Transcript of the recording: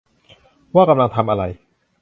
ว่ากำลังทำอะไร